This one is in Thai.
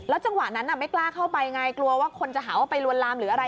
จังหวะนั้นไม่กล้าเข้าไปไงกลัวว่าคนจะหาว่าไปลวนลามหรืออะไร